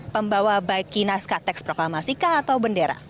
pembawa baki naskah teks proklamasi kak atau bendera